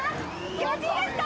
気持ちいいですか？